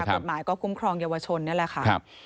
กฎหมายก็คุ้มครองเยาวชนนี่แหละค่ะ